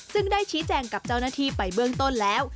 ซึ่งได้ชี้แจงกับเจ้าหน้าที่ไปเบื้องต้นแล้ว